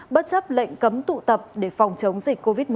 bất chấp lệnh cấm tụ tập để phòng chống dịch covid một mươi chín